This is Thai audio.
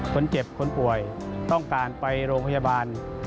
คนเจ็บคนป่วยต้องการไปโรงพยาบาล